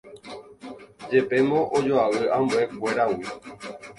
Jepémo ojoavy ambuekuéragui